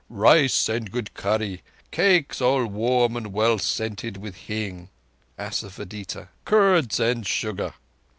"Rice and good curry, cakes all warm and well scented with hing (asafœtida), curds and sugar.